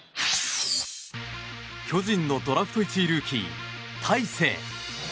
巨人のドラフト１位ルーキー大勢。